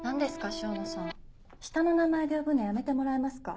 笙野さん下の名前で呼ぶのやめてもらえますか？